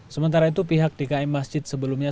sementara itu pihak dkm masjid sebelumnya